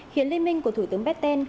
khiến liên minh của thủ tướng petain